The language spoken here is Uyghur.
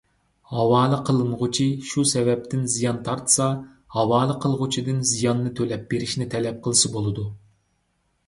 ھاۋالە قىلىنغۇچى شۇ سەۋەبتىن زىيان تارتسا، ھاۋالە قىلغۇچىدىن زىياننى تۆلەپ بېرىشنى تەلەپ قىلسا بولىدۇ.